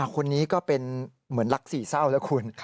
คนนี้ก็เป็นเหมือนรักสี่เศร้าแล้วคุณ